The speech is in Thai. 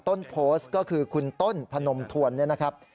ต้นโพสต์ก็คือคุณต้นผนมถ่วนนะครับ